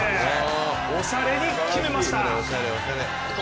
おしゃれに決めました！